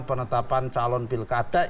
penetapan calon pilkada